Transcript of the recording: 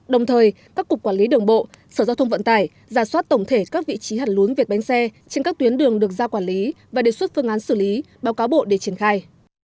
đồng thời các cục quản lý đường bộ sở giao thông vận tải giả soát tổng thể các vị trí hàn lún vệt bánh xe trên các tuyến đường được giao quản lý và đề xuất phương án xử lý báo cáo bộ để triển khai